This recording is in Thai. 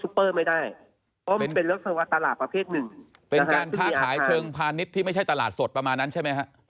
ซูเปอร์ไม่ได้เพราะมันเป็นเรียกว่าตลาดประเภทหนึ่งเป็นการค่าขายเชิงพาณิชย์ที่ไม่ใช่ตลาดสดประมาณนั้นใช่ไหมฮะ